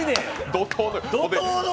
怒とうの。